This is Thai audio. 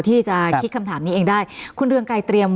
ที่จะคิดคำถามนี้เองได้คุณเรืองไกรเตรียม